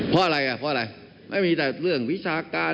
เพราะอะไรไม่มีแต่เรื่องวิชาการ